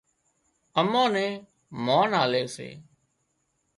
امان نين مانَ آلي سي